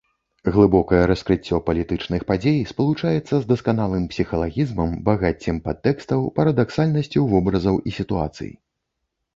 Глыбокае раскрыццё палітычных падзей спалучаецца з дасканалым псіхалагізмам, багаццем падтэкстаў, парадаксальнасцю вобразаў і сітуацый.